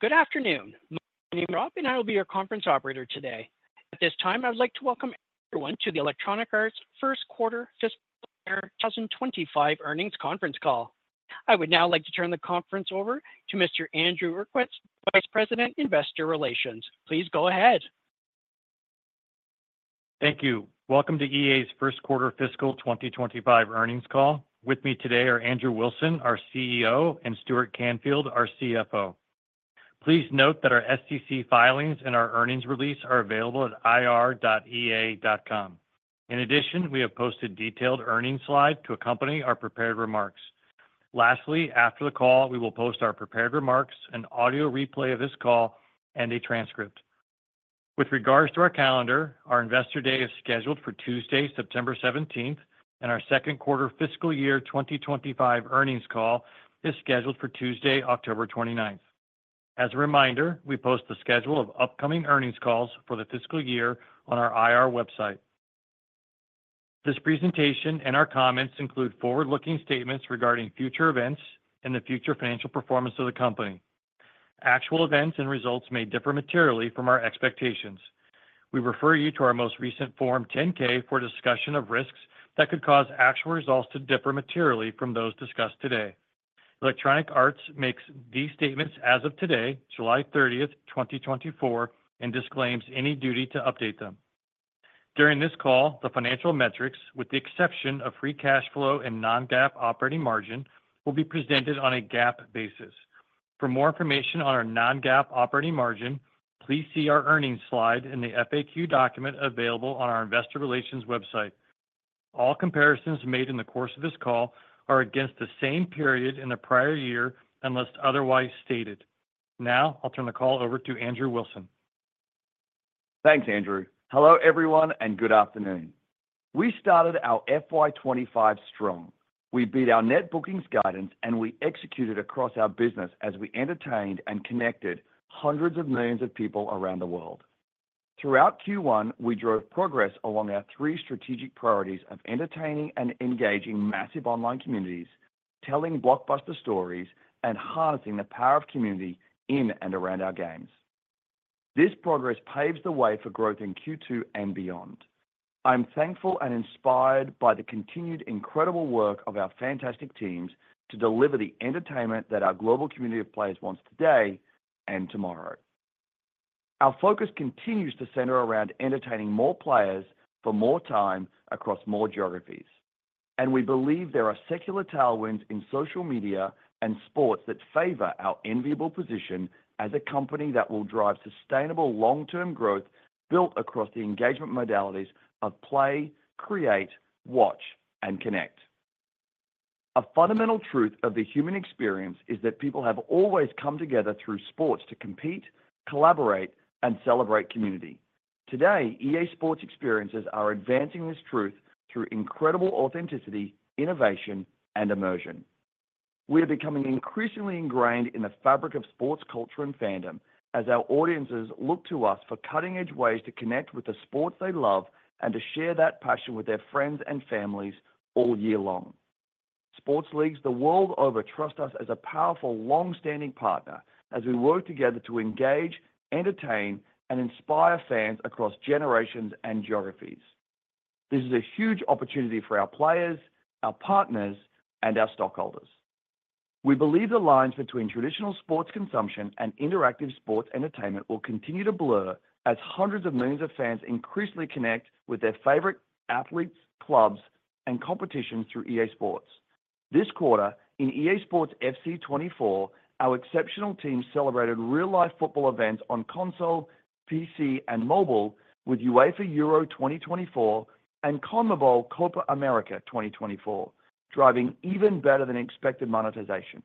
Good afternoon. My name is Rob, and I will be your conference operator today. At this time, I'd like to welcome everyone to the Electronic Arts First Quarter 2025 earnings conference call. I would now like to turn the conference over to Mr. Andrew Uerkwitz, Vice President, Investor Relations. Please go ahead. Thank you. Welcome to EA's First Quarter Fiscal 2025 earnings call. With me today are Andrew Wilson, our CEO, and Stuart Canfield, our CFO. Please note that our SEC filings and our earnings release are available at ir.ea.com. In addition, we have posted detailed earnings slides to accompany our prepared remarks. Lastly, after the call, we will post our prepared remarks, an audio replay of this call, and a transcript. With regards to our calendar, our Investor Day is scheduled for Tuesday, September 17th, and our second quarter fiscal year 2025 earnings call is scheduled for Tuesday, October 29th. As a reminder, we post the schedule of upcoming earnings calls for the fiscal year on our IR website. This presentation and our comments include forward-looking statements regarding future events and the future financial performance of the company. Actual events and results may differ materially from our expectations. We refer you to our most recent Form 10-K for discussion of risks that could cause actual results to differ materially from those discussed today. Electronic Arts makes these statements as of today, July 30th, 2024, and disclaims any duty to update them. During this call, the financial metrics, with the exception of free cash flow and non-GAAP operating margin, will be presented on a GAAP basis. For more information on our non-GAAP operating margin, please see our earnings slide in the FAQ document available on our investor relations website. All comparisons made in the course of this call are against the same period in the prior year unless otherwise stated. Now, I'll turn the call over to Andrew Wilson. Thanks, Andrew. Hello, everyone, and good afternoon. We started our FY25 strong. We beat our net bookings guidance, and we executed across our business as we entertained and connected hundreds of millions of people around the world. Throughout Q1, we drove progress along our three strategic priorities of entertaining and engaging massive online communities, telling blockbuster stories, and harnessing the power of community in and around our games. This progress paves the way for growth in Q2 and beyond. I'm thankful and inspired by the continued incredible work of our fantastic teams to deliver the entertainment that our global community of players wants today and tomorrow. Our focus continues to center around entertaining more players for more time across more geographies, and we believe there are secular tailwinds in social media and sports that favor our enviable position as a company that will drive sustainable long-term growth built across the engagement modalities of play, create, watch, and connect. A fundamental truth of the human experience is that people have always come together through sports to compete, collaborate, and celebrate community. Today, EA SPORTS experiences are advancing this truth through incredible authenticity, innovation, and immersion. We are becoming increasingly ingrained in the fabric of sports culture and fandom as our audiences look to us for cutting-edge ways to connect with the sports they love and to share that passion with their friends and families all year long. Sports leagues the world over trust us as a powerful, long-standing partner as we work together to engage, entertain, and inspire fans across generations and geographies. This is a huge opportunity for our players, our partners, and our stockholders. We believe the lines between traditional sports consumption and interactive sports entertainment will continue to blur as hundreds of millions of fans increasingly connect with their favorite athletes, clubs, and competitions through EA SPORTS. This quarter, in EA SPORTS FC 24, our exceptional team celebrated real-life football events on console, PC, and mobile with UEFA EURO 2024 and CONMEBOL Copa América 2024, driving even better than expected monetization.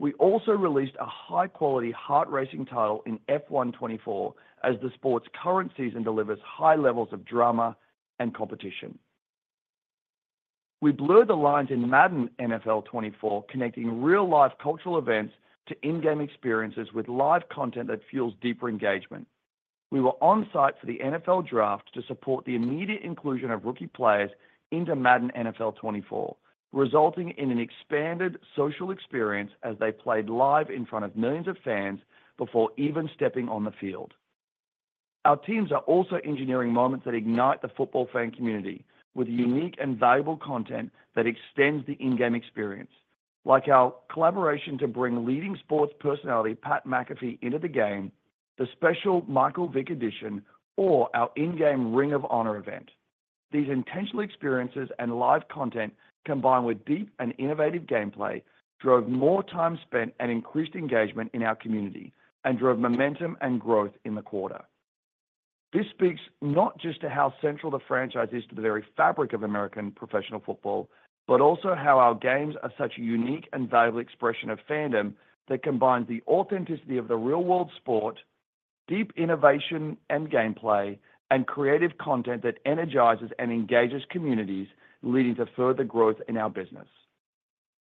We also released a high-quality heart-racing title in F1 24 as the sport's current season delivers high levels of drama and competition. We blurred the lines in Madden NFL 24, connecting real-life cultural events to in-game experiences with live content that fuels deeper engagement. We were on site for the NFL Draft to support the immediate inclusion of rookie players into Madden NFL 24, resulting in an expanded social experience as they played live in front of millions of fans before even stepping on the field. Our teams are also engineering moments that ignite the football fan community with unique and valuable content that extends the in-game experience, like our collaboration to bring leading sports personality Pat McAfee into the game, the special Michael Vick edition, or our in-game Ring of Honor event. These intentional experiences and live content, combined with deep and innovative gameplay, drove more time spent and increased engagement in our community and drove momentum and growth in the quarter. This speaks not just to how central the franchise is to the very fabric of American professional football, but also how our games are such a unique and valuable expression of fandom that combines the authenticity of the real-world sport, deep innovation and gameplay, and creative content that energizes and engages communities, leading to further growth in our business.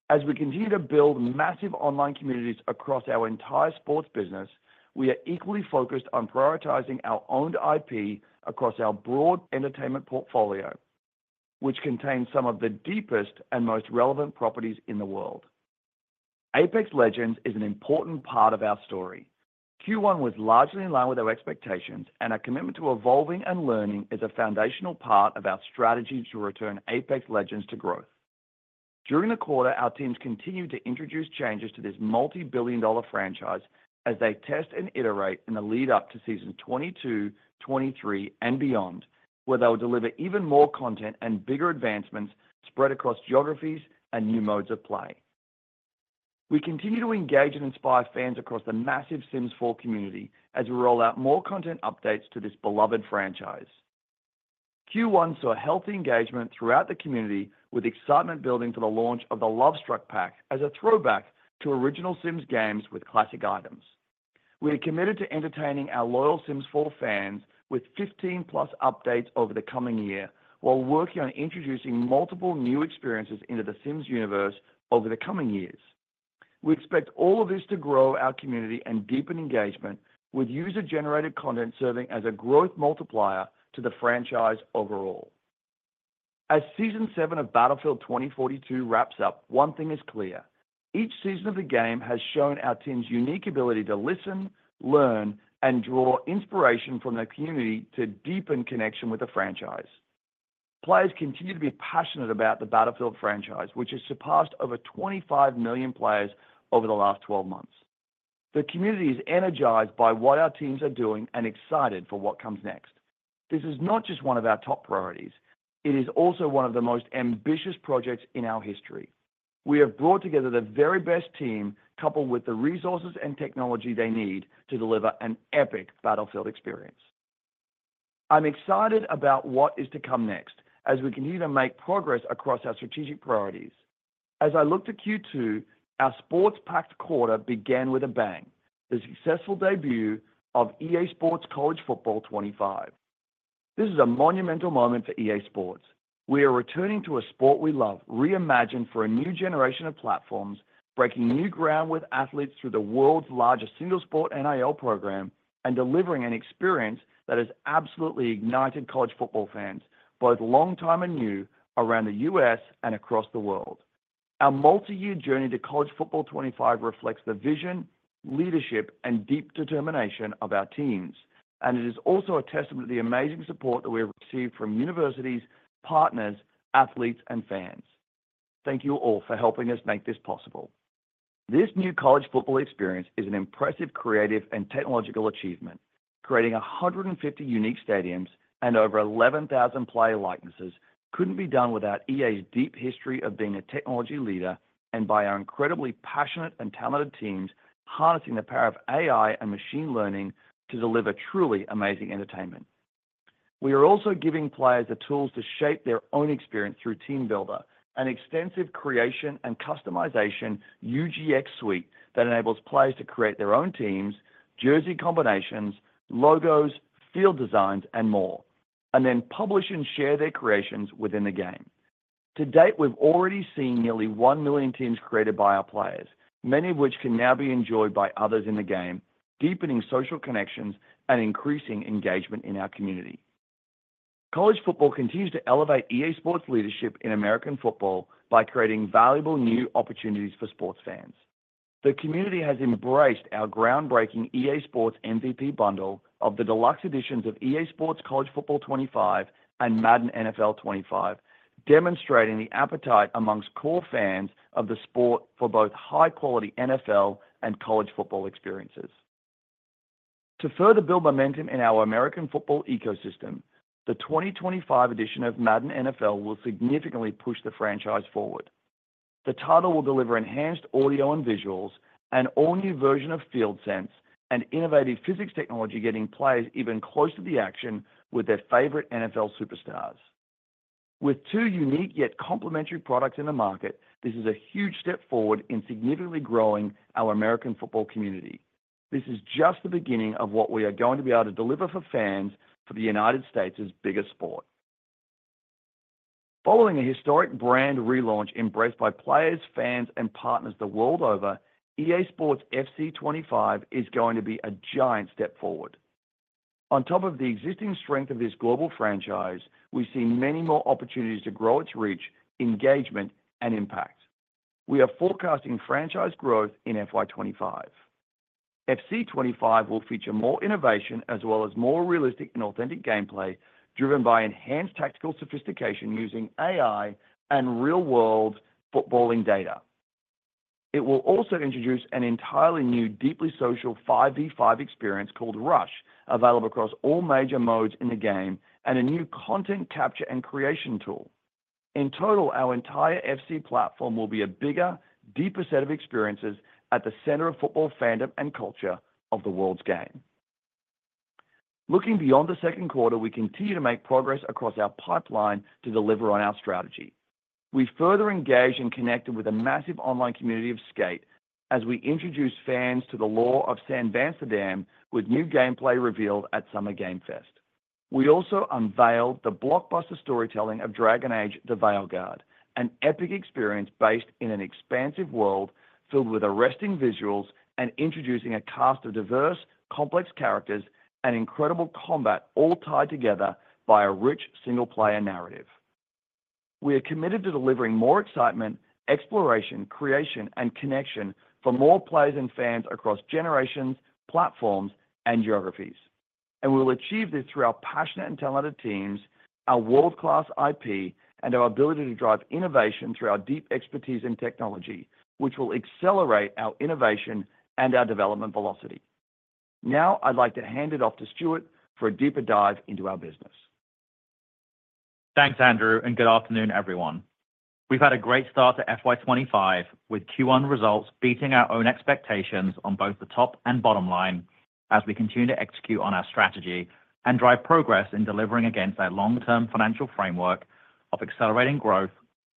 As we continue to build massive online communities across our entire sports business, we are equally focused on prioritizing our owned IP across our broad entertainment portfolio, which contains some of the deepest and most relevant properties in the world. Apex Legends is an important part of our story. Q1 was largely in line with our expectations, and our commitment to evolving and learning is a foundational part of our strategy to return Apex Legends to growth. During the quarter, our teams continued to introduce changes to this multi-billion-dollar franchise as they test and iterate in the lead-up to seasons 22, 23, and beyond, where they will deliver even more content and bigger advancements spread across geographies and new modes of play. We continue to engage and inspire fans across the massive Sims 4 community as we roll out more content updates to this beloved franchise. Q1 saw healthy engagement throughout the community, with excitement building for the launch of the Lovestruck Pack as a throwback to original Sims games with classic items. We are committed to entertaining our loyal Sims 4 fans with 15+ updates over the coming year while working on introducing multiple new experiences into the Sims universe over the coming years. We expect all of this to grow our community and deepen engagement, with user-generated content serving as a growth multiplier to the franchise overall. As season 7 of Battlefield 2042 wraps up, one thing is clear: each season of the game has shown our team's unique ability to listen, learn, and draw inspiration from the community to deepen connection with the franchise. Players continue to be passionate about the Battlefield franchise, which has surpassed over 25 million players over the last 12 months. The community is energized by what our teams are doing and excited for what comes next. This is not just one of our top priorities. It is also one of the most ambitious projects in our history. We have brought together the very best team, coupled with the resources and technology they need to deliver an epic Battlefield experience. I'm excited about what is to come next as we continue to make progress across our strategic priorities. As I look to Q2, our sports-packed quarter began with a bang: the successful debut of EA SPORTS College Football 25. This is a monumental moment for EA SPORTS. We are returning to a sport we love, reimagined for a new generation of platforms, breaking new ground with athletes through the world's largest single-sport NIL program and delivering an experience that has absolutely ignited college football fans, both long-time and new, around the U.S. and across the world. Our multi-year journey to College Football 25 reflects the vision, leadership, and deep determination of our teams, and it is also a testament to the amazing support that we have received from universities, partners, athletes, and fans. Thank you all for helping us make this possible. This new college football experience is an impressive creative and technological achievement. Creating 150 unique stadiums and over 11,000 player likenesses couldn't be done without EA's deep history of being a technology leader and by our incredibly passionate and talented teams harnessing the power of AI and machine learning to deliver truly amazing entertainment. We are also giving players the tools to shape their own experience through Team Builder, an extensive creation and customization UGX suite that enables players to create their own teams, jersey combinations, logos, field designs, and more, and then publish and share their creations within the game. To date, we've already seen nearly 1,000,000 teams created by our players, many of which can now be enjoyed by others in the game, deepening social connections and increasing engagement in our community. College football continues to elevate EA SPORTS' leadership in American football by creating valuable new opportunities for sports fans. The community has embraced our groundbreaking EA SPORTS MVP Bundle of the deluxe editions of EA SPORTS College Football 25 and Madden NFL 25, demonstrating the appetite among core fans of the sport for both high-quality NFL and college football experiences. To further build momentum in our American football ecosystem, the 2025 edition of Madden NFL will significantly push the franchise forward. The title will deliver enhanced audio and visuals, an all-new version of FieldSense, and innovative physics technology getting players even closer to the action with their favorite NFL superstars. With two unique yet complementary products in the market, this is a huge step forward in significantly growing our American football community. This is just the beginning of what we are going to be able to deliver for fans for the United States' biggest sport. Following a historic brand relaunch embraced by players, fans, and partners the world over, EA SPORTS FC 25 is going to be a giant step forward. On top of the existing strength of this global franchise, we see many more opportunities to grow its reach, engagement, and impact. We are forecasting franchise growth in FY25. FC 25 will feature more innovation as well as more realistic and authentic gameplay driven by enhanced tactical sophistication using AI and real-world footballing data. It will also introduce an entirely new, deeply social 5v5 experience called Rush, available across all major modes in the game, and a new content capture and creation tool. In total, our entire FC platform will be a bigger, deeper set of experiences at the center of football fandom and culture of the world's game. Looking beyond the second quarter, we continue to make progress across our pipeline to deliver on our strategy. We further engage and connect with a massive online community of skate. as we introduce fans to the lore of San Vansterdam, with new gameplay revealed at Summer Game Fest. We also unveiled the blockbuster storytelling of Dragon Age: The Veilguard, an epic experience based in an expansive world filled with arresting visuals and introducing a cast of diverse, complex characters and incredible combat, all tied together by a rich single-player narrative. We are committed to delivering more excitement, exploration, creation, and connection for more players and fans across generations, platforms, and geographies. We will achieve this through our passionate and talented teams, our world-class IP, and our ability to drive innovation through our deep expertise in technology, which will accelerate our innovation and our development velocity. Now, I'd like to hand it off to Stuart for a deeper dive into our business. Thanks, Andrew, and good afternoon, everyone. We've had a great start to FY25, with Q1 results beating our own expectations on both the top and bottom line as we continue to execute on our strategy and drive progress in delivering against our long-term financial framework of accelerating growth,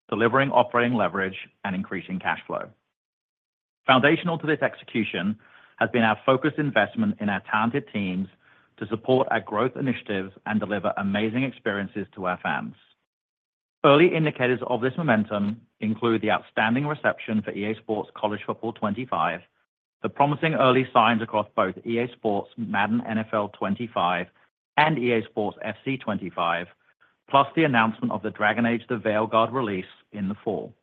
delivering operating leverage, and increasing cash flow. Foundational to this execution has been our focused investment in our talented teams to support our growth initiatives and deliver amazing experiences to our fans. Early indicators of this momentum include the outstanding reception for EA SPORTS College Football 25, the promising early signs across both EA SPORTS Madden NFL 25 and EA SPORTS FC 25, plus the announcement of the Dragon Age: The Veilguard release in the fall.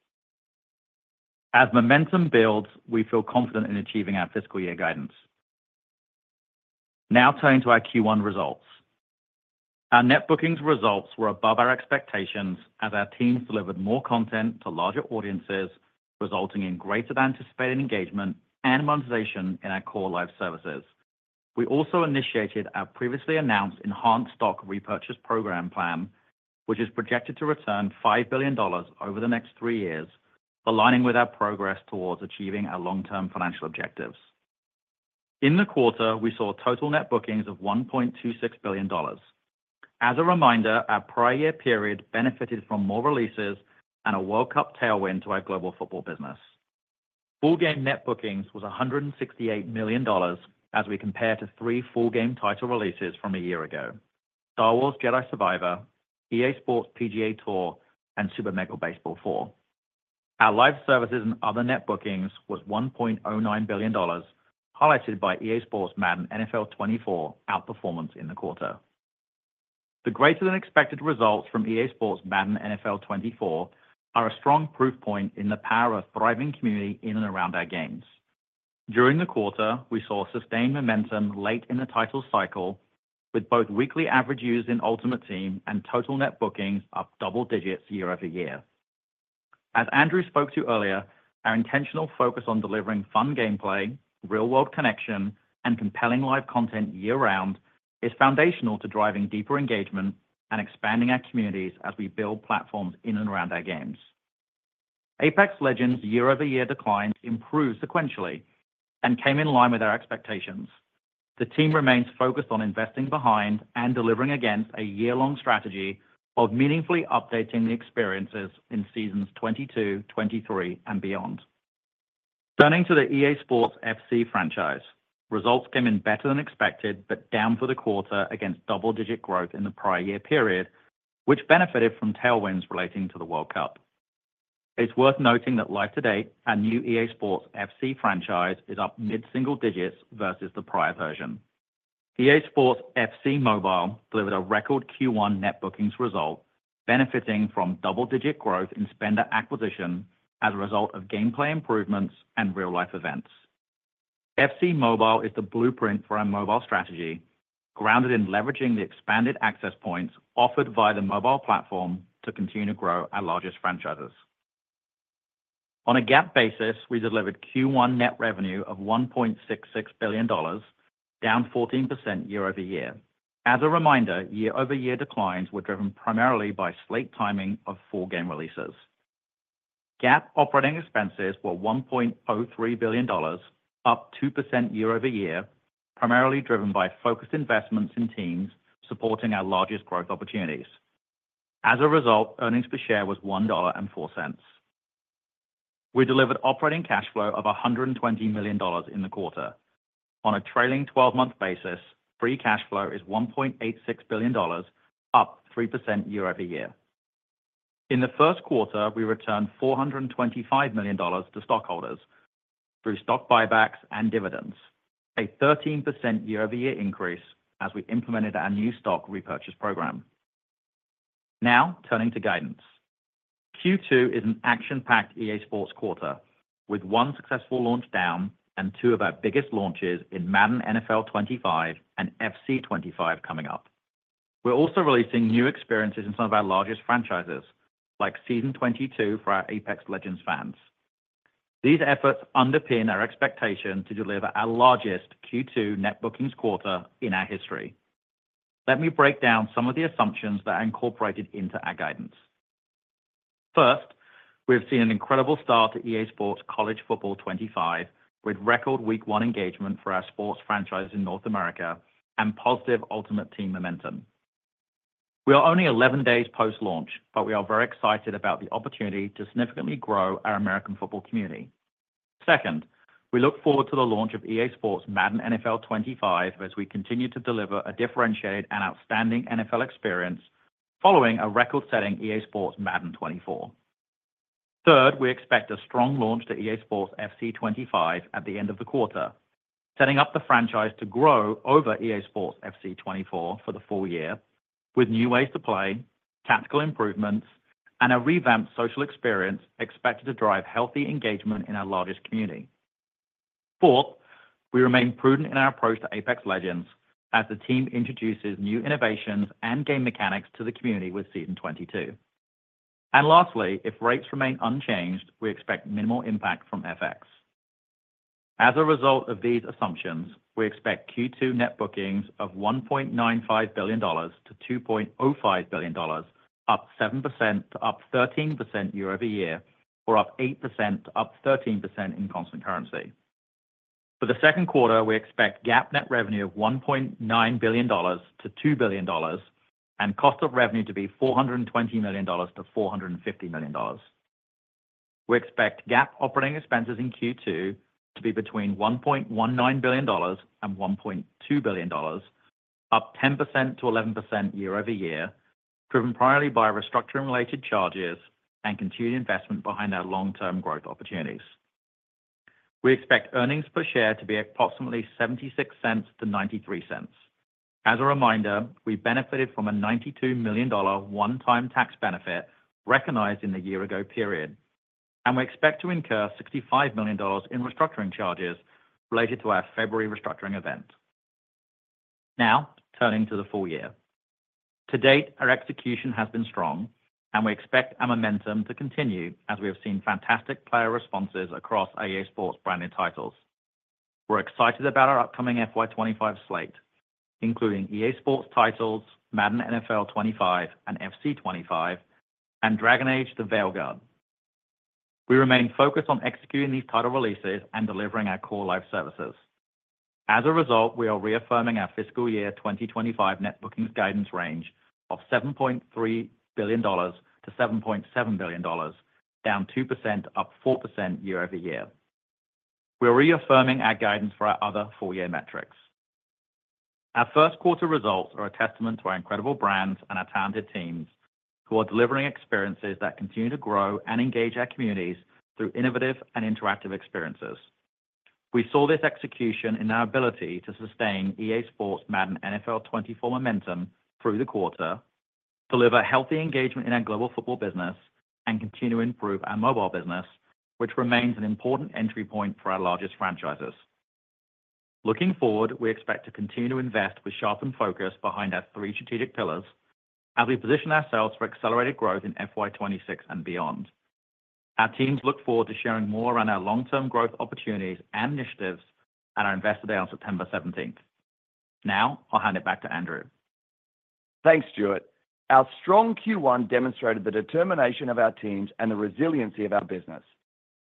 As momentum builds, we feel confident in achieving our fiscal year guidance. Now, turning to our Q1 results. Our net bookings results were above our expectations as our teams delivered more content to larger audiences, resulting in greater than anticipated engagement and monetization in our core live services. We also initiated our previously announced enhanced stock repurchase program plan, which is projected to return $5 billion over the next three years, aligning with our progress towards achieving our long-term financial objectives. In the quarter, we saw total net bookings of $1.26 billion. As a reminder, our prior year period benefited from more releases and a World Cup tailwind to our global football business. Full-game net bookings was $168 million as we compare to three full-game title releases from a year ago: Star Wars Jedi: Survivor, EA SPORTS PGA Tour, and Super Mega Baseball 4. Our live services and other net bookings was $1.09 billion, highlighted by EA SPORTS Madden NFL 24 outperformance in the quarter. The greater-than-expected results from EA SPORTS Madden NFL 24 are a strong proof point in the power of a thriving community in and around our games. During the quarter, we saw sustained momentum late in the title cycle, with both weekly average users in Ultimate Team and total net bookings up double digits year-over-year. As Andrew spoke to earlier, our intentional focus on delivering fun gameplay, real-world connection, and compelling live content year-round is foundational to driving deeper engagement and expanding our communities as we build platforms in and around our games. Apex Legends' year-over-year decline improved sequentially and came in line with our expectations. The team remains focused on investing behind and delivering against a year-long strategy of meaningfully updating the experiences in seasons 22, 23, and beyond. Turning to the EA SPORTS FC franchise, results came in better than expected but down for the quarter against double-digit growth in the prior year period, which benefited from tailwinds relating to the World Cup. It's worth noting that life to date, our new EA SPORTS FC franchise is up mid-single digits versus the prior version. EA Sports FC Mobile delivered a record Q1 net bookings result, benefiting from double-digit growth in spender acquisition as a result of gameplay improvements and real-life events. FC Mobile is the blueprint for our mobile strategy, grounded in leveraging the expanded access points offered by the mobile platform to continue to grow our largest franchises. On a GAAP basis, we delivered Q1 net revenue of $1.66 billion, down 14% year-over-year. As a reminder, year-over-year declines were driven primarily by slate timing of full-game releases. GAAP operating expenses were $1.03 billion, up 2% year-over-year, primarily driven by focused investments in teams supporting our largest growth opportunities. As a result, earnings per share was $1.04. We delivered operating cash flow of $120 million in the quarter. On a trailing 12-month basis, free cash flow is $1.86 billion, up 3% year-over-year. In the first quarter, we returned $425 million to stockholders through stock buybacks and dividends, a 13% year-over-year increase as we implemented our new stock repurchase program. Now, turning to guidance. Q2 is an action-packed EA SPORTS quarter, with one successful launch down and two of our biggest launches in Madden NFL 25 and FC 25 coming up. We're also releasing new experiences in some of our largest franchises, like season 22 for our Apex Legends fans. These efforts underpin our expectation to deliver our largest Q2 net bookings quarter in our history. Let me break down some of the assumptions that are incorporated into our guidance. First, we have seen an incredible start to EA SPORTS College Football 25, with record week-one engagement for our sports franchises in North America and positive Ultimate Team momentum. We are only 11 days post-launch, but we are very excited about the opportunity to significantly grow our American football community. Second, we look forward to the launch of EA SPORTS Madden NFL 25 as we continue to deliver a differentiated and outstanding NFL experience following a record-setting EA SPORTS Madden NFL 24. Third, we expect a strong launch to EA SPORTS FC 25 at the end of the quarter, setting up the franchise to grow over EA SPORTS FC 24 for the full year, with new ways to play, tactical improvements, and a revamped social experience expected to drive healthy engagement in our largest community. Fourth, we remain prudent in our approach to Apex Legends as the team introduces new innovations and game mechanics to the community with season 22. And lastly, if rates remain unchanged, we expect minimal impact from FX. As a result of these assumptions, we expect Q2 net bookings of $1.95-$2.05 billion, up 7% to up 13% year-over-year, or up 8% to up 13% in constant currency. For the second quarter, we expect GAAP net revenue of $1.9-$2 billion, and cost of revenue to be $420-$450 million. We expect GAAP operating expenses in Q2 to be between $1.19 billion and $1.2 billion, up 10%-11% year-over-year, driven primarily by restructuring-related charges and continued investment behind our long-term growth opportunities. We expect earnings per share to be approximately $0.76-$0.93. As a reminder, we benefited from a $92 million one-time tax benefit recognized in the year-ago period, and we expect to incur $65 million in restructuring charges related to our February restructuring event. Now, turning to the full year. To date, our execution has been strong, and we expect our momentum to continue as we have seen fantastic player responses across EA SPORTS branded titles. We're excited about our upcoming FY25 slate, including EA SPORTS titles, Madden NFL 25 and FC 25, and Dragon Age: The Veilguard. We remain focused on executing these title releases and delivering our core live services. As a result, we are reaffirming our fiscal year 2025 net bookings guidance range of $7.3 billion-$7.7 billion, down 2%, up 4% year-over-year. We are reaffirming our guidance for our other full-year metrics. Our first quarter results are a testament to our incredible brands and our talented teams who are delivering experiences that continue to grow and engage our communities through innovative and interactive experiences. We saw this execution in our ability to sustain EA SPORTS Madden NFL 24 momentum through the quarter, deliver healthy engagement in our global football business, and continue to improve our mobile business, which remains an important entry point for our largest franchises. Looking forward, we expect to continue to invest with sharpened focus behind our three strategic pillars as we position ourselves for accelerated growth in FY26 and beyond. Our teams look forward to sharing more around our long-term growth opportunities and initiatives at our investor day on September 17th. Now, I'll hand it back to Andrew. Thanks, Stuart. Our strong Q1 demonstrated the determination of our teams and the resiliency of our business.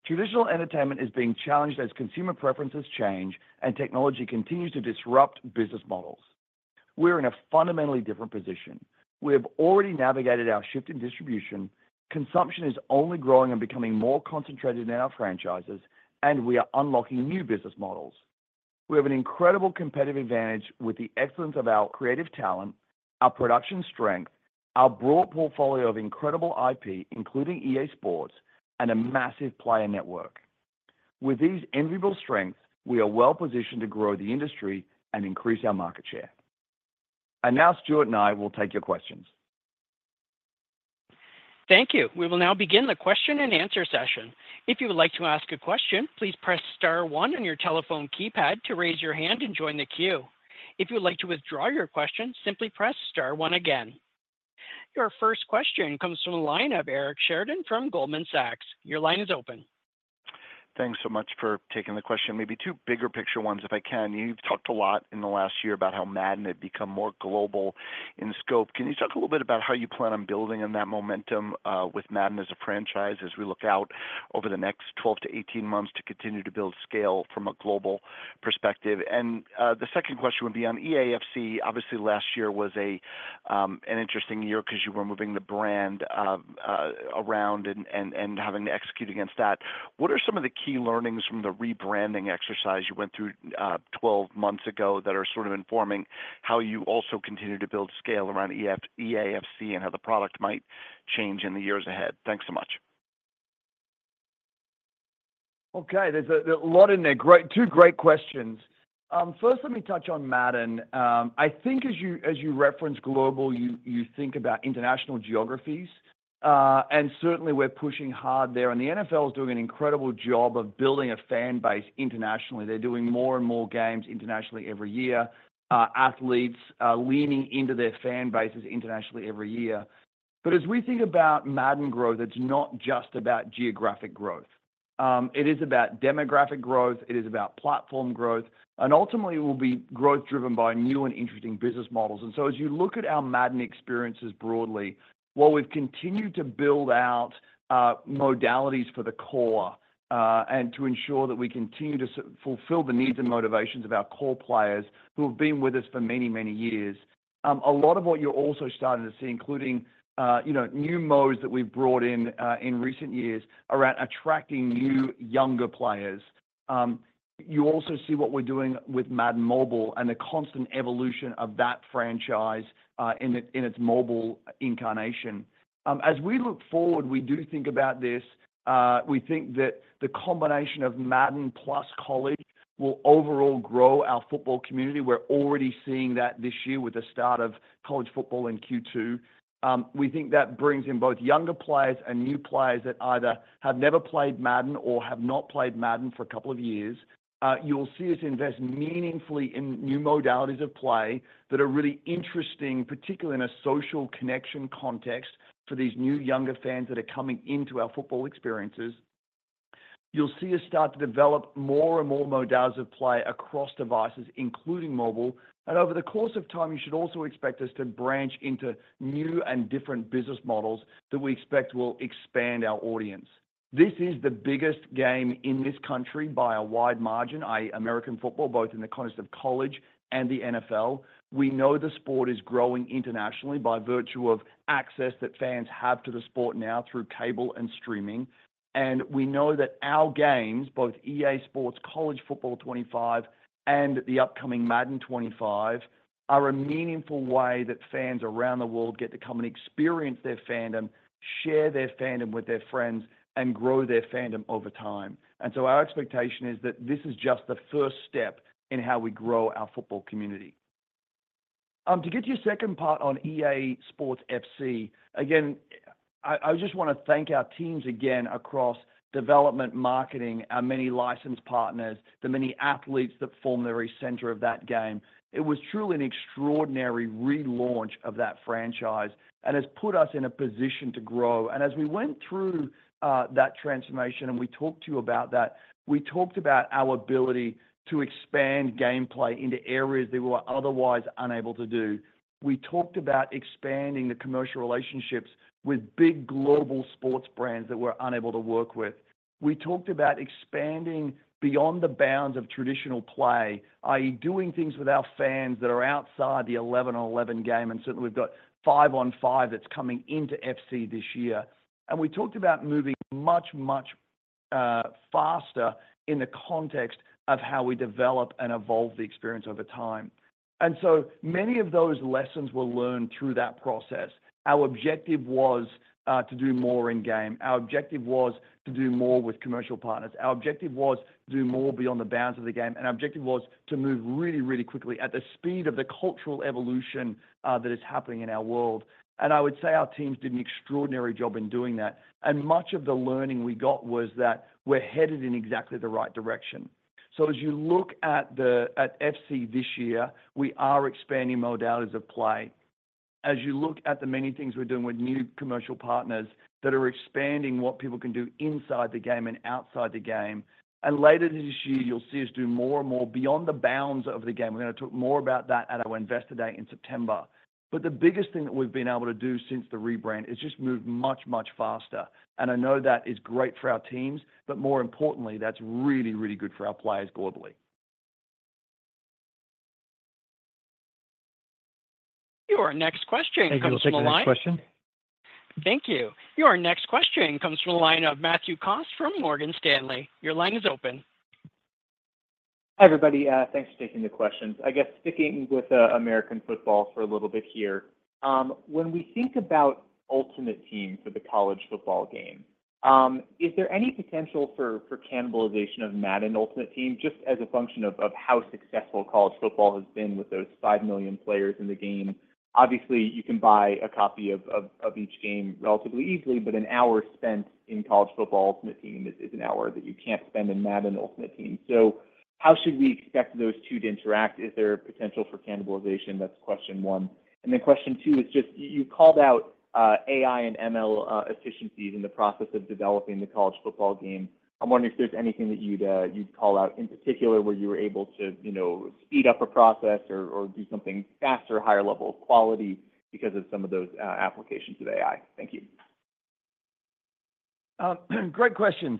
Traditional entertainment is being challenged as consumer preferences change and technology continues to disrupt business models. We're in a fundamentally different position. We have already navigated our shift in distribution. Consumption is only growing and becoming more concentrated in our franchises, and we are unlocking new business models. We have an incredible competitive advantage with the excellence of our creative talent, our production strength, our broad portfolio of incredible IP, including EA SPORTS, and a massive player network. With these enviable strengths, we are well positioned to grow the industry and increase our market share. And now, Stuart and I will take your questions. Thank you. We will now begin the question and answer session. If you would like to ask a question, please press Star 1 on your telephone keypad to raise your hand and join the queue. If you would like to withdraw your question, simply press Star 1 again. Your first question comes from the line of Eric Sheridan from Goldman Sachs. Your line is open. Thanks so much for taking the question. Maybe two bigger picture ones, if I can. You've talked a lot in the last year about how Madden had become more global in scope. Can you talk a little bit about how you plan on building on that momentum with Madden as a franchise as we look out over the next 12-18 months to continue to build scale from a global perspective? And the second question would be on EAFC. Obviously, last year was an interesting year because you were moving the brand around and having to execute against that. What are some of the key learnings from the rebranding exercise you went through 12 months ago that are sort of informing how you also continue to build scale around EAFC and how the product might change in the years ahead? Thanks so much. Okay. There's a lot in there. Two great questions. First, let me touch on Madden. I think as you reference global, you think about international geographies. And certainly, we're pushing hard there. And the NFL is doing an incredible job of building a fan base internationally. They're doing more and more games internationally every year, athletes leaning into their fan bases internationally every year. But as we think about Madden growth, it's not just about geographic growth. It is about demographic growth. It is about platform growth. And ultimately, it will be growth driven by new and interesting business models. And so as you look at our Madden experiences broadly, while we've continued to build out modalities for the core and to ensure that we continue to fulfill the needs and motivations of our core players who have been with us for many, many years, a lot of what you're also starting to see, including new modes that we've brought in in recent years around attracting new younger players. You also see what we're doing with Madden Mobile and the constant evolution of that franchise in its mobile incarnation. As we look forward, we do think about this. We think that the combination of Madden plus college will overall grow our football community. We're already seeing that this year with the start of college football in Q2. We think that brings in both younger players and new players that either have never played Madden or have not played Madden for a couple of years. You'll see us invest meaningfully in new modalities of play that are really interesting, particularly in a social connection context for these new younger fans that are coming into our football experiences. You'll see us start to develop more and more modalities of play across devices, including mobile. Over the course of time, you should also expect us to branch into new and different business models that we expect will expand our audience. This is the biggest game in this country by a wide margin, i.e., American football, both in the context of college and the NFL. We know the sport is growing internationally by virtue of access that fans have to the sport now through cable and streaming. We know that our games, both EA SPORTS College Football 25 and the upcoming Madden 25, are a meaningful way that fans around the world get to come and experience their fandom, share their fandom with their friends, and grow their fandom over time. So our expectation is that this is just the first step in how we grow our football community. To get to your second part on EA SPORTS FC, again, I just want to thank our teams again across development, marketing, our many licensed partners, the many athletes that form the very center of that game. It was truly an extraordinary relaunch of that franchise and has put us in a position to grow. As we went through that transformation and we talked to you about that, we talked about our ability to expand gameplay into areas that we were otherwise unable to do. We talked about expanding the commercial relationships with big global sports brands that we're unable to work with. We talked about expanding beyond the bounds of traditional play, i.e., doing things with our fans that are outside the 11-on-11 game. And certainly, we've got 5-on-5 that's coming into FC this year. And we talked about moving much, much faster in the context of how we develop and evolve the experience over time. And so many of those lessons were learned through that process. Our objective was to do more in game. Our objective was to do more with commercial partners. Our objective was to do more beyond the bounds of the game. And our objective was to move really, really quickly at the speed of the cultural evolution that is happening in our world. I would say our teams did an extraordinary job in doing that. Much of the learning we got was that we're headed in exactly the right direction. So as you look at FC this year, we are expanding modalities of play. As you look at the many things we're doing with new commercial partners that are expanding what people can do inside the game and outside the game. Later this year, you'll see us do more and more beyond the bounds of the game. We're going to talk more about that at our investor day in September. But the biggest thing that we've been able to do since the rebrand is just move much, much faster. I know that is great for our teams, but more importantly, that's really, really good for our players globally. Your next question comes from the line. Thank you. Your next question comes from the line of Matthew Cost from Morgan Stanley. Your line is open. Hi, everybody. Thanks for taking the questions. I guess sticking with American football for a little bit here. When we think about Ultimate Team for the college football game, is there any potential for cannibalization of Madden Ultimate Team just as a function of how successful college football has been with those 5 million players in the game? Obviously, you can buy a copy of each game relatively easily, but an hour spent in college football Ultimate Team is an hour that you can't spend in Madden Ultimate Team. So how should we expect those two to interact? Is there potential for cannibalization? That's question one. And then question two is just you called out AI and ML efficiencies in the process of developing the college football game. I'm wondering if there's anything that you'd call out in particular where you were able to speed up a process or do something faster, higher level of quality because of some of those applications of AI. Thank you. Great questions.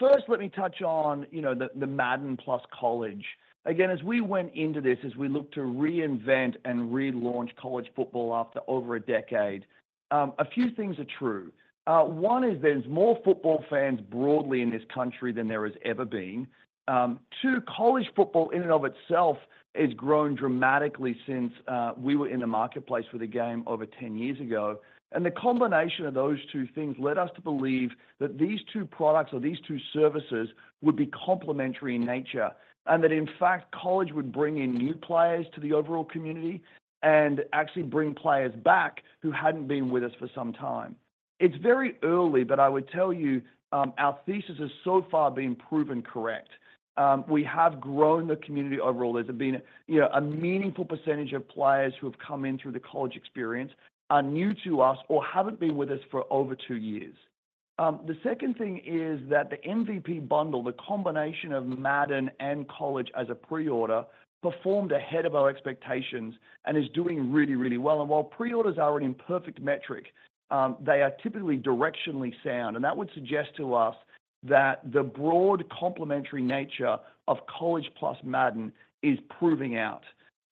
First, let me touch on the Madden plus college. Again, as we went into this, as we looked to reinvent and relaunch college football after over a decade, a few things are true. One is there's more football fans broadly in this country than there has ever been. Two, college football in and of itself has grown dramatically since we were in the marketplace for the game over 10 years ago. The combination of those two things led us to believe that these two products or these two services would be complementary in nature and that, in fact, college would bring in new players to the overall community and actually bring players back who hadn't been with us for some time. It's very early, but I would tell you our thesis has so far been proven correct. We have grown the community overall. There's been a meaningful percentage of players who have come in through the college experience are new to us or haven't been with us for over two years. The second thing is that the MVP bundle, the combination of Madden and college as a pre-order, performed ahead of our expectations and is doing really, really well. While pre-orders are an imperfect metric, they are typically directionally sound. And that would suggest to us that the broad complementary nature of college plus Madden is proving out.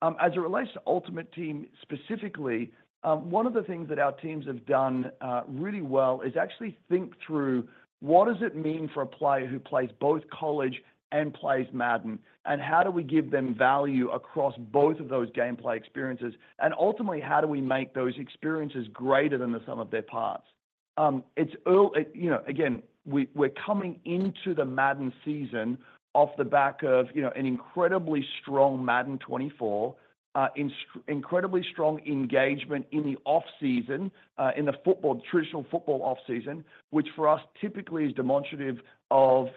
As it relates to Ultimate Team specifically, one of the things that our teams have done really well is actually think through what does it mean for a player who plays both college and plays Madden, and how do we give them value across both of those gameplay experiences? And ultimately, how do we make those experiences greater than the sum of their parts? Again, we're coming into the Madden season off the back of an incredibly strong Madden 24, incredibly strong engagement in the off-season, in the traditional football off-season, which for us typically is demonstrative of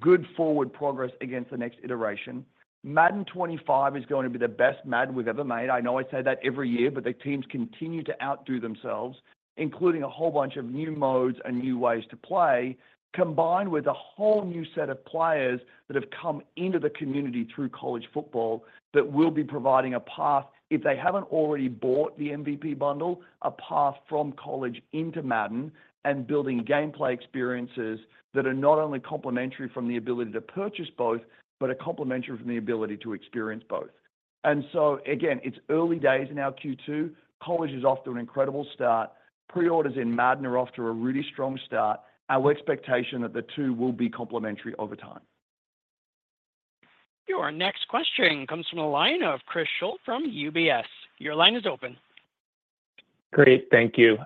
good forward progress against the next iteration. Madden 25 is going to be the best Madden we've ever made. I know I say that every year, but the teams continue to outdo themselves, including a whole bunch of new modes and new ways to play, combined with a whole new set of players that have come into the community through college football that will be providing a path, if they haven't already bought the MVP bundle, a path from college into Madden and building gameplay experiences that are not only complementary from the ability to purchase both, but are complementary from the ability to experience both. And so, again, it's early days in our Q2. College is off to an incredible start. Pre-orders in Madden are off to a really strong start. Our expectation is that the two will be complementary over time. Your next question comes from the line of Chris Schultz from UBS. Your line is open. Great. Thank you.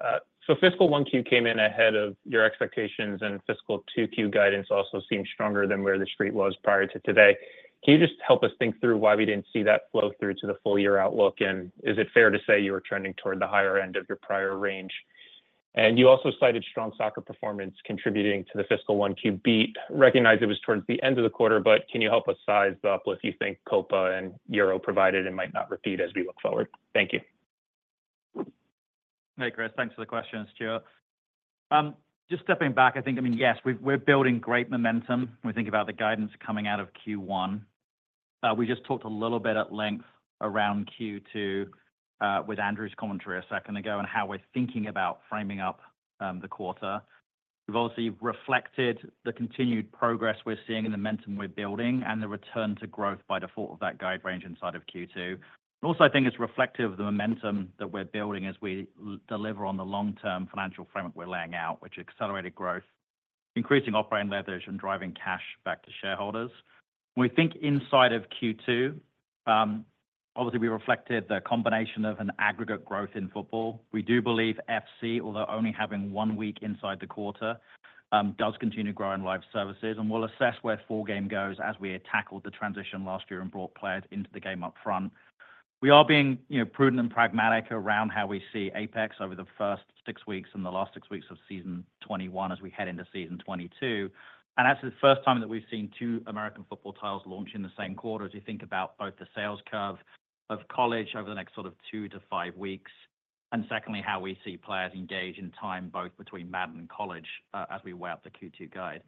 So, fiscal one Q came in ahead of your expectations, and fiscal two Q guidance also seemed stronger than where the street was prior to today. Can you just help us think through why we didn't see that flow through to the full year outlook? And is it fair to say you were trending toward the higher end of your prior range? And you also cited strong soccer performance contributing to the fiscal one Q beat. Recognize it was towards the end of the quarter, but can you help us size up if you think Copa and Euro provided and might not repeat as we look forward? Thank you. Hey, Chris. Thanks for the question, Stuart. Just stepping back, I think, I mean, yes, we're building great momentum when we think about the guidance coming out of Q1. We just talked a little bit at length around Q2 with Andrew's commentary a second ago and how we're thinking about framing up the quarter. We've obviously reflected the continued progress we're seeing in the momentum we're building and the return to growth by default of that guide range inside of Q2. Also, I think it's reflective of the momentum that we're building as we deliver on the long-term financial framework we're laying out, which accelerated growth, increasing operating leverage, and driving cash back to shareholders. We think inside of Q2, obviously, we reflected the combination of an aggregate growth in football. We do believe FC, although only having one week inside the quarter, does continue to grow in live services. And we'll assess where full game goes as we tackled the transition last year and brought players into the game up front. We are being prudent and pragmatic around how we see Apex over the first 6 weeks and the last 6 weeks of season 21 as we head into season 22. That's the first time that we've seen 2 American football titles launch in the same quarter. As you think about both the sales curve of college over the next sort of 2-5 weeks, and secondly, how we see players engage in time both between Madden and college as we weigh up the Q2 guide.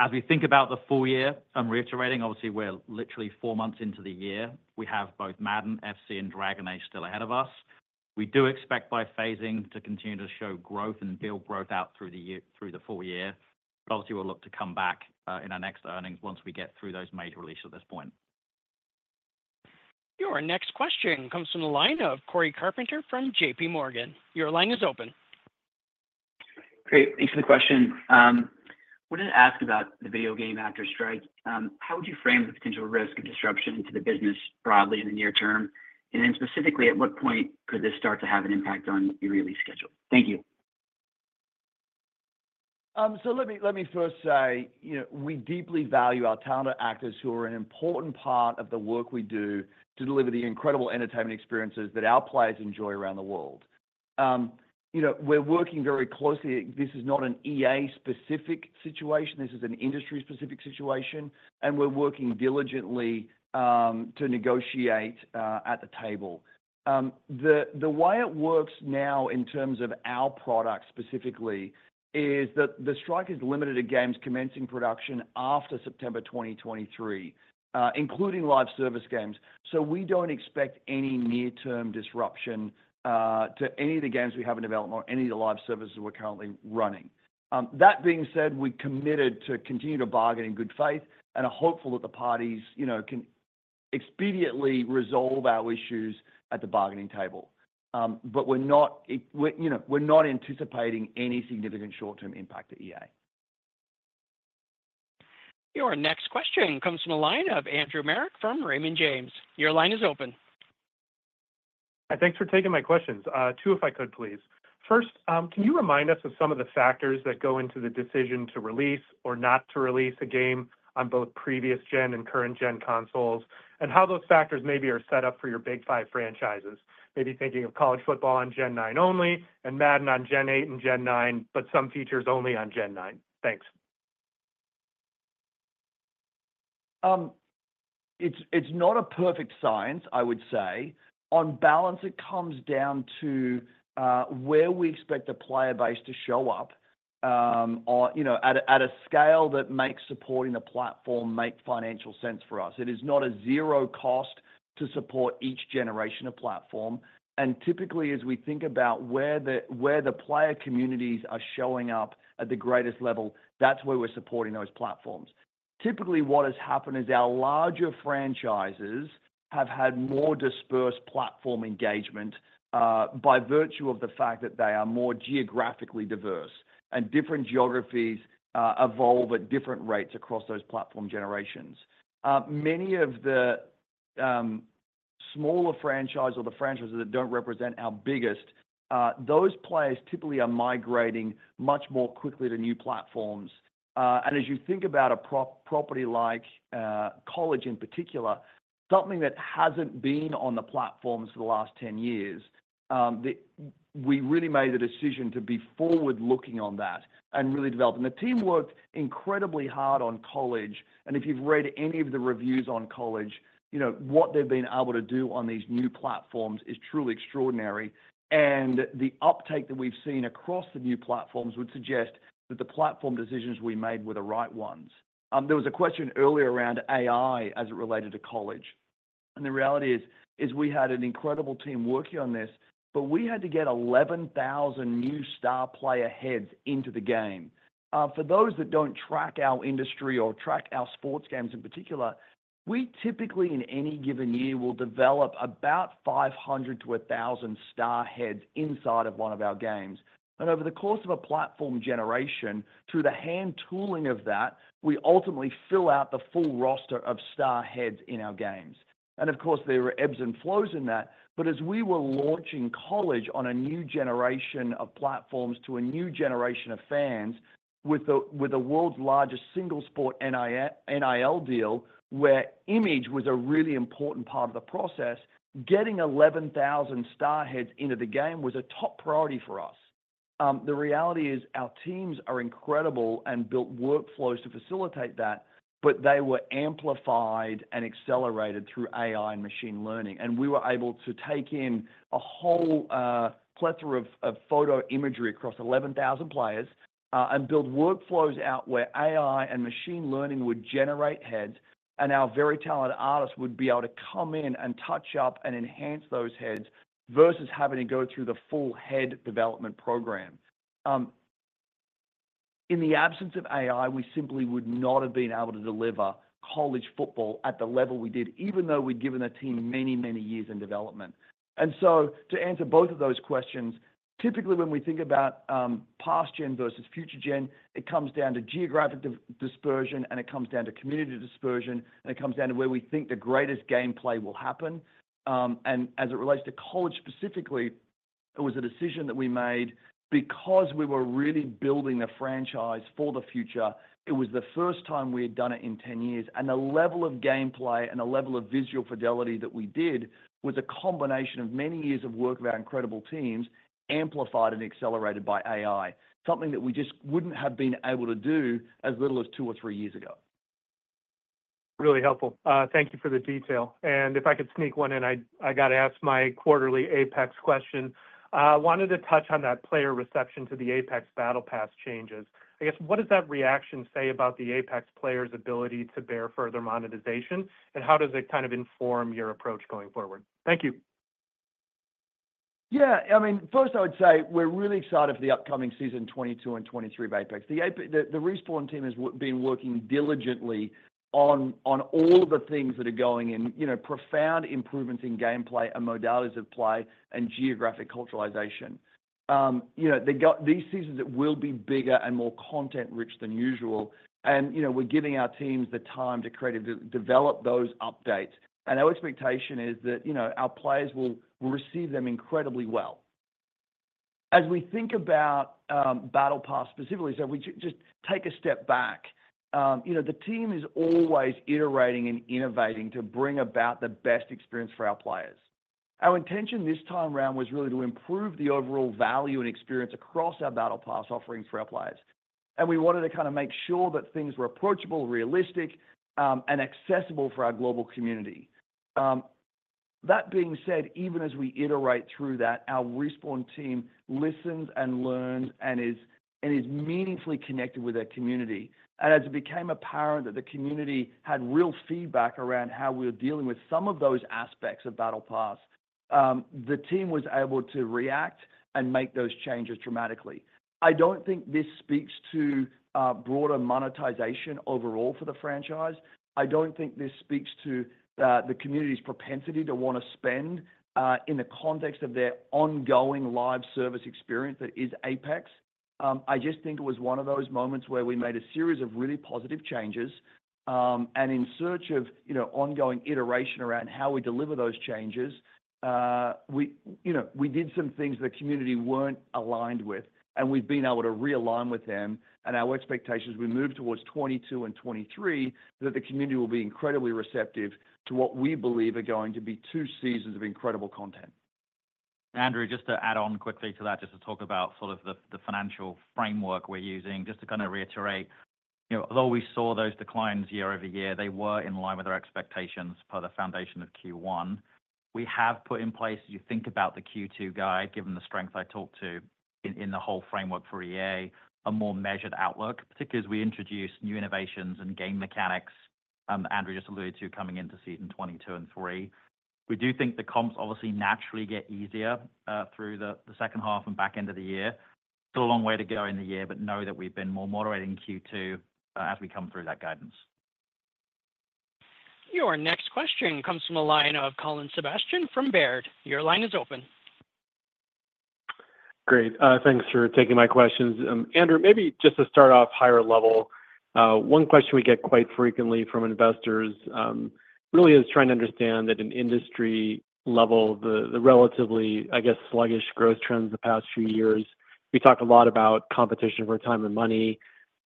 As we think about the full year, I'm reiterating, obviously, we're literally 4 months into the year. We have both Madden, FC, and Dragon Age still ahead of us. We do expect by phasing to continue to show growth and build growth out through the full year. But obviously, we'll look to come back in our next earnings once we get through those major releases at this point. Your next question comes from the line of Corey Carpenter from JP Morgan. Your line is open. Great. Thanks for the question. I wanted to ask about the video game actors strike. How would you frame the potential risk of disruption to the business broadly in the near term? And then specifically, at what point could this start to have an impact on your release schedule? Thank you. So let me first say we deeply value our talented actors who are an important part of the work we do to deliver the incredible entertainment experiences that our players enjoy around the world. We're working very closely. This is not an EA-specific situation. This is an industry-specific situation. And we're working diligently to negotiate at the table. The way it works now in terms of our product specifically is that the strike is limited to games commencing production after September 2023, including live service games. So we don't expect any near-term disruption to any of the games we have in development or any of the live services we're currently running. That being said, we're committed to continue to bargain in good faith and are hopeful that the parties can expediently resolve our issues at the bargaining table. But we're not anticipating any significant short-term impact to EA. Your next question comes from the line of Andrew Marok from Raymond James. Your line is open. Thanks for taking my questions. Two if I could, please. First, can you remind us of some of the factors that go into the decision to release or not to release a game on both previous-gen and current-gen consoles and how those factors maybe are set up for your big five franchises? Maybe thinking of college football on Gen 9 only and Madden on Gen 8 and Gen 9, but some features only on Gen 9. Thanks. It's not a perfect science, I would say. On balance, it comes down to where we expect the player base to show up at a scale that makes supporting the platform make financial sense for us. It is not a zero cost to support each generation of platform. And typically, as we think about where the player communities are showing up at the greatest level, that's where we're supporting those platforms. Typically, what has happened is our larger franchises have had more dispersed platform engagement by virtue of the fact that they are more geographically diverse and different geographies evolve at different rates across those platform generations. Many of the smaller franchises or the franchises that don't represent our biggest, those players typically are migrating much more quickly to new platforms. As you think about a property like college in particular, something that hasn't been on the platforms for the last 10 years, we really made the decision to be forward-looking on that and really develop. The team worked incredibly hard on college. If you've read any of the reviews on college, what they've been able to do on these new platforms is truly extraordinary. The uptake that we've seen across the new platforms would suggest that the platform decisions we made were the right ones. There was a question earlier around AI as it related to college. The reality is we had an incredible team working on this, but we had to get 11,000 new star player heads into the game. For those that don't track our industry or track our sports games in particular, we typically, in any given year, will develop about 500-1,000 star heads inside of one of our games. Over the course of a platform generation, through the hand tooling of that, we ultimately fill out the full roster of star heads in our games. Of course, there are ebbs and flows in that. But as we were launching college on a new generation of platforms to a new generation of fans with the world's largest single-sport NIL deal, where image was a really important part of the process, getting 11,000 star heads into the game was a top priority for us. The reality is our teams are incredible and built workflows to facilitate that, but they were amplified and accelerated through AI and machine learning. We were able to take in a whole plethora of photo imagery across 11,000 players and build workflows out where AI and machine learning would generate heads, and our very talented artists would be able to come in and touch up and enhance those heads versus having to go through the full head development program. In the absence of AI, we simply would not have been able to deliver college football at the level we did, even though we'd given the team many, many years in development. And so to answer both of those questions, typically when we think about past-gen versus future-gen, it comes down to geographic dispersion, and it comes down to community dispersion, and it comes down to where we think the greatest gameplay will happen. And as it relates to college specifically, it was a decision that we made because we were really building a franchise for the future. It was the first time we had done it in 10 years. The level of gameplay and the level of visual fidelity that we did was a combination of many years of work with our incredible teams amplified and accelerated by AI, something that we just wouldn't have been able to do as little as two or three years ago. Really helpful. Thank you for the detail. If I could sneak one in, I got to ask my quarterly Apex question. I wanted to touch on that player reception to the Apex Battle Pass changes. I guess, what does that reaction say about the Apex players' ability to bear further monetization, and how does it kind of inform your approach going forward? Thank you. Yeah. I mean, first, I would say we're really excited for the upcoming Season 22 and 23 of Apex. The Respawn team has been working diligently on all the things that are going in profound improvements in gameplay and modalities of play and geographic culturalization. These seasons, it will be bigger and more content-rich than usual. And we're giving our teams the time to creatively develop those updates. And our expectation is that our players will receive them incredibly well. As we think about Battle Pass specifically, so if we just take a step back, the team is always iterating and innovating to bring about the best experience for our players. Our intention this time around was really to improve the overall value and experience across our Battle Pass offerings for our players. And we wanted to kind of make sure that things were approachable, realistic, and accessible for our global community. That being said, even as we iterate through that, our Respawn team listens and learns and is meaningfully connected with their community. And as it became apparent that the community had real feedback around how we were dealing with some of those aspects of Battle Pass, the team was able to react and make those changes dramatically. I don't think this speaks to broader monetization overall for the franchise. I don't think this speaks to the community's propensity to want to spend in the context of their ongoing live service experience that is Apex. I just think it was one of those moments where we made a series of really positive changes. And in search of ongoing iteration around how we deliver those changes, we did some things the community weren't aligned with. And we've been able to realign with them. Our expectations we moved towards 22 and 23 that the community will be incredibly receptive to what we believe are going to be two seasons of incredible content. Andrew, just to add on quickly to that, just to talk about sort of the financial framework we're using, just to kind of reiterate, although we saw those declines year-over-year, they were in line with our expectations per the foundation of Q1. We have put in place as you think about the Q2 guide, given the strength I talked to in the whole framework for EA, a more measured outlook, particularly as we introduce new innovations and game mechanics, Andrew just alluded to coming into season 22 and 23. We do think the comps obviously naturally get easier through the second half and back end of the year. Still a long way to go in the year, but know that we've been more moderating Q2 as we come through that guidance. Your next question comes from the line of Colin Sebastian from Baird. Your line is open. Great. Thanks for taking my questions. Andrew, maybe just to start off higher level, one question we get quite frequently from investors really is trying to understand that in industry level, the relatively, I guess, sluggish growth trends the past few years. We talked a lot about competition for time and money.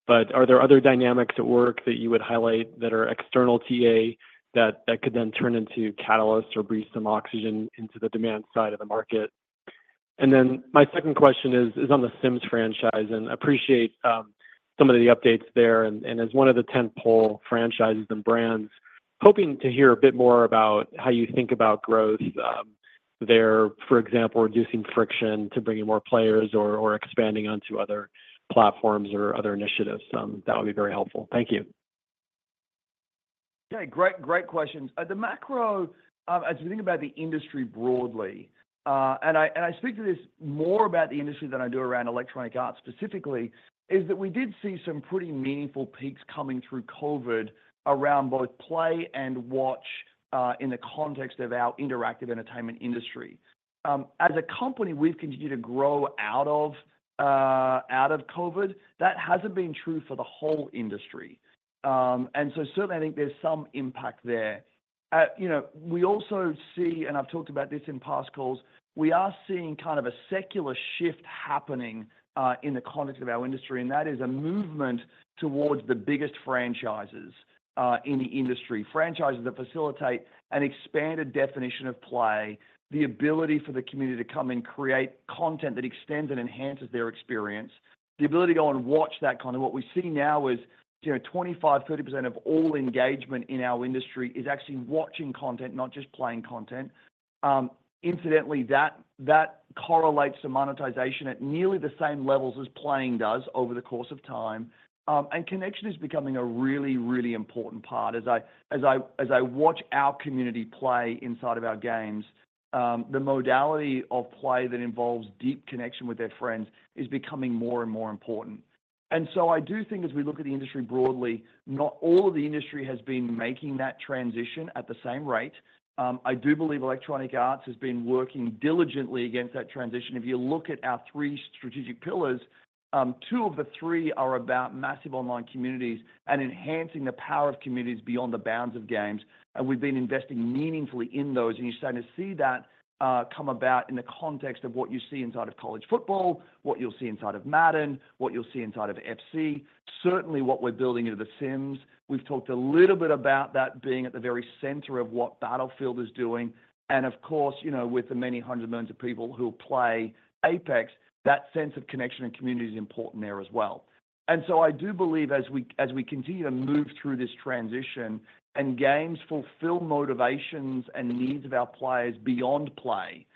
But are there other dynamics at work that you would highlight that are external to EA that could then turn into catalysts or breathe some oxygen into the demand side of the market? And then my second question is on the Sims franchise. And I appreciate some of the updates there. As one of the tentpole franchises and brands, hoping to hear a bit more about how you think about growth there, for example, reducing friction to bringing more players or expanding onto other platforms or other initiatives. That would be very helpful. Thank you. Okay. Great questions. The macro, as we think about the industry broadly, and I speak to this more about the industry than I do around Electronic Arts specifically, is that we did see some pretty meaningful peaks coming through COVID around both play and watch in the context of our interactive entertainment industry. As a company, we've continued to grow out of COVID. That hasn't been true for the whole industry. So certainly, I think there's some impact there. We also see, and I've talked about this in past calls, we are seeing kind of a secular shift happening in the context of our industry. And that is a movement towards the biggest franchises in the industry, franchises that facilitate an expanded definition of play, the ability for the community to come and create content that extends and enhances their experience, the ability to go and watch that content. What we see now is 25%-30% of all engagement in our industry is actually watching content, not just playing content. Incidentally, that correlates to monetization at nearly the same levels as playing does over the course of time. And connection is becoming a really, really important part. As I watch our community play inside of our games, the modality of play that involves deep connection with their friends is becoming more and more important. And so I do think as we look at the industry broadly, not all of the industry has been making that transition at the same rate. I do believe Electronic Arts has been working diligently against that transition. If you look at our three strategic pillars, two of the three are about massive online communities and enhancing the power of communities beyond the bounds of games. And we've been investing meaningfully in those. And you're starting to see that come about in the context of what you see inside of College Football, what you'll see inside of Madden, what you'll see inside of FC, certainly what we're building into The Sims. We've talked a little bit about that being at the very center of what Battlefield is doing. And of course, with the many hundreds of millions of people who play Apex, that sense of connection and community is important there as well. And so I do believe as we continue to move through this transition and games fulfill motivations and needs of our players beyond play,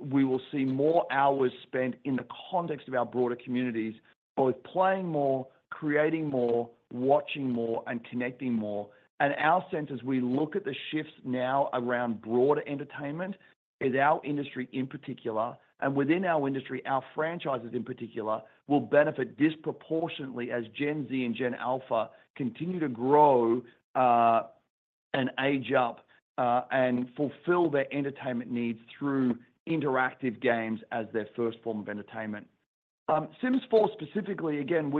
we will see more hours spent in the context of our broader communities, both playing more, creating more, watching more, and connecting more. And our sense, as we look at the shifts now around broader entertainment, is our industry in particular, and within our industry, our franchises in particular, will benefit disproportionately as Gen Z and Gen Alpha continue to grow and age up and fulfill their entertainment needs through interactive games as their first form of entertainment. Sims 4 specifically, again,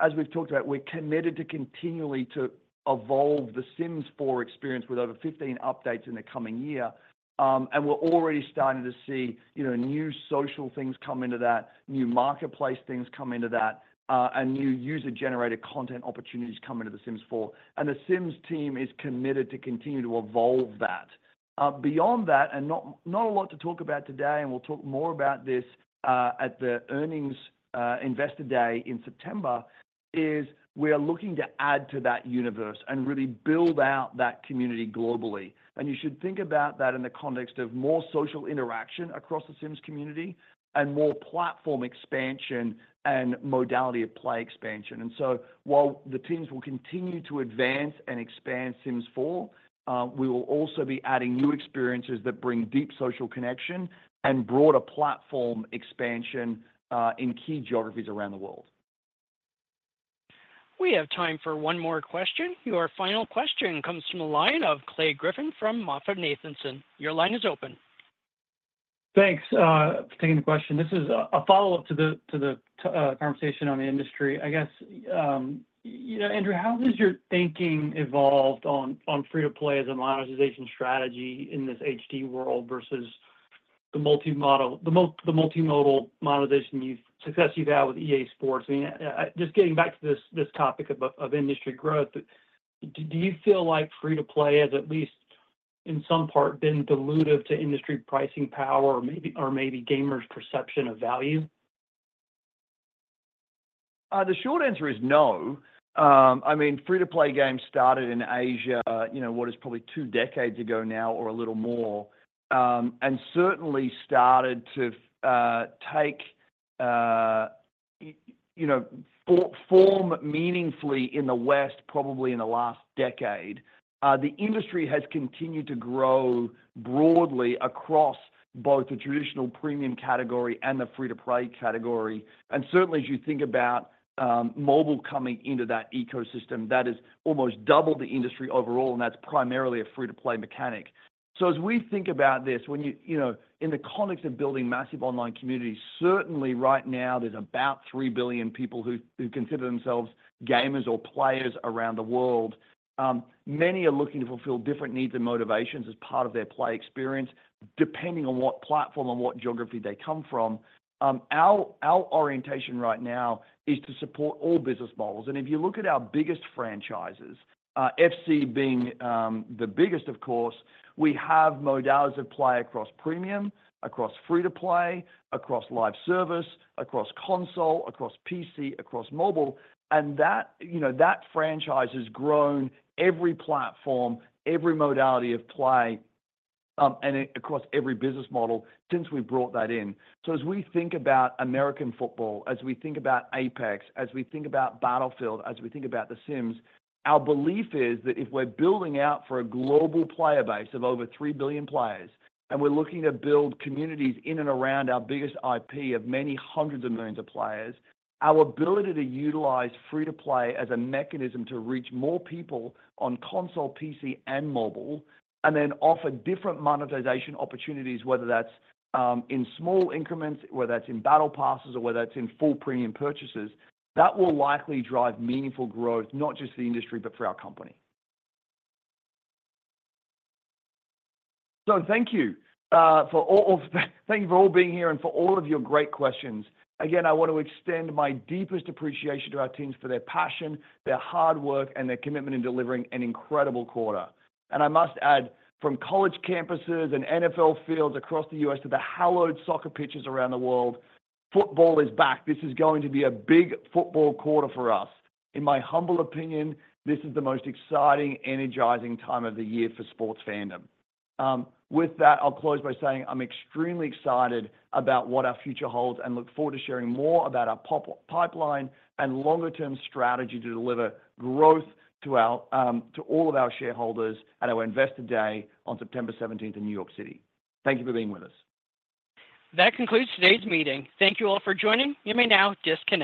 as we've talked about, we're committed to continually to evolve the The Sims 4 experience with over 15 updates in the coming year. We're already starting to see new social things come into that, new marketplace things come into that, and new user-generated content opportunities come into the The Sims 4. The The Sims team is committed to continue to evolve that. Beyond that, and not a lot to talk about today, and we'll talk more about this at the earnings investor day in September, is we are looking to add to that universe and really build out that community globally. You should think about that in the context of more social interaction across the The Sims community and more platform expansion and modality of play expansion. And so while the teams will continue to advance and expand Sims 4, we will also be adding new experiences that bring deep social connection and broader platform expansion in key geographies around the world. We have time for one more question. Your final question comes from the line of Clay Griffin from MoffettNathanson. Your line is open. Thanks for taking the question. This is a follow-up to the conversation on the industry. I guess, Andrew, how has your thinking evolved on free-to-play as a monetization strategy in this HD world versus the multimodal monetization success you've had with EA Sports? I mean, just getting back to this topic of industry growth, do you feel like free-to-play has at least in some part been dilutive to industry pricing power or maybe gamers' perception of value? The short answer is no. I mean, free-to-play games started in Asia, what is probably 2 decades ago now or a little more, and certainly started to take form meaningfully in the West, probably in the last decade. The industry has continued to grow broadly across both the traditional premium category and the free-to-play category. Certainly, as you think about mobile coming into that ecosystem, that is almost double the industry overall, and that's primarily a free-to-play mechanic. As we think about this, in the context of building massive online communities, certainly right now there's about 3 billion people who consider themselves gamers or players around the world. Many are looking to fulfill different needs and motivations as part of their play experience, depending on what platform and what geography they come from. Our orientation right now is to support all business models. If you look at our biggest franchises, FC being the biggest, of course, we have modalities of play across premium, across free-to-play, across live service, across console, across PC, across mobile. That franchise has grown every platform, every modality of play, and across every business model since we brought that in. So as we think about American football, as we think about Apex, as we think about Battlefield, as we think about the Sims, our belief is that if we're building out for a global player base of over 3 billion players, and we're looking to build communities in and around our biggest IP of many hundreds of millions of players, our ability to utilize free-to-play as a mechanism to reach more people on console, PC, and mobile, and then offer different monetization opportunities, whether that's in small increments, whether that's in Battle Passes, or whether that's in full premium purchases, that will likely drive meaningful growth, not just for the industry, but for our company. So thank you for all being here and for all of your great questions. Again, I want to extend my deepest appreciation to our teams for their passion, their hard work, and their commitment in delivering an incredible quarter. And I must add, from college campuses and NFL fields across the U.S. to the hallowed soccer pitches around the world, football is back. This is going to be a big football quarter for us. In my humble opinion, this is the most exciting, energizing time of the year for sports fandom. With that, I'll close by saying I'm extremely excited about what our future holds and look forward to sharing more about our pipeline and longer-term strategy to deliver growth to all of our shareholders at our investor day on September 17th in New York City. Thank you for being with us. That concludes today's meeting. Thank you all for joining. You may now disconnect.